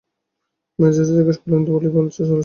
মেজো জা জিজ্ঞাসা করলেন, বলি চলেছ কোথায়?